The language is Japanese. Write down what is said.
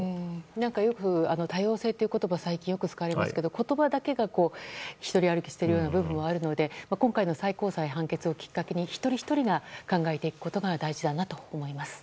よく多様性という言葉を最近、よく使われますが言葉だけが独り歩きしている部分があるので、今回の最高裁の判決をきっかけに一人ひとりが考えることが大事だと思います。